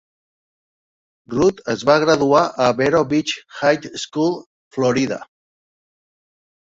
Root es va graduar a Vero Beach High School, Florida.